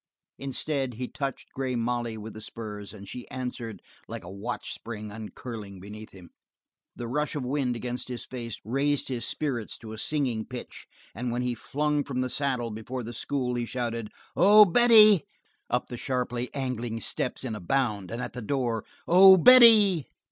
Instead, he touched Grey Molly with the spurs, and she answered like a watch spring uncurling beneath him. The rush of wind against his face raised his spirits to a singing pitch, and when he flung from the saddle before the school he shouted: "Oh, Betty!" Up the sharply angling steps in a bound, and at the door: "Oh, Betty!"